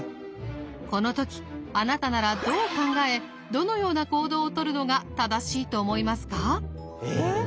この時あなたならどう考えどのような行動をとるのが正しいと思いますか？